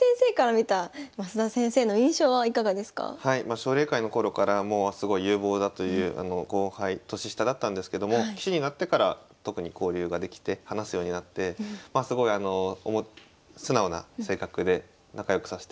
奨励会の頃からもうすごい有望だという後輩年下だったんですけども棋士になってから特に交流ができて話すようになってすごいあの素直な性格で仲良くさせて。